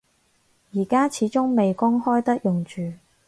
而家始終未公開得用住